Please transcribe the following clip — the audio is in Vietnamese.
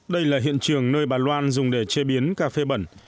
đây là hiện trường nơi bà loan dùng để chế biến cà phê bẩn